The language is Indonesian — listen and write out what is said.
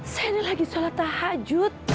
saya ini lagi sholat tahajud